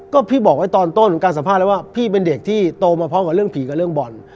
ก็พี่บอกไว้ตอนต้นของการสัมภาษณ์แล้วว่าพี่เป็นเด็กที่โตมาพร้อมกับเรื่องผีกับเรื่องบ่อน